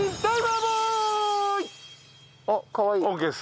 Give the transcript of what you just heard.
あっかわいい。